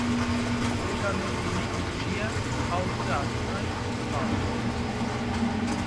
সেখানে তিনি ইন্ডিয়া হাউসে আশ্রয় পান।